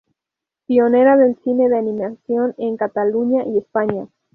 Pionera del cine de animación en Cataluña y España.